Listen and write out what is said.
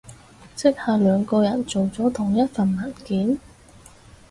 即係兩個人做咗同一份文件？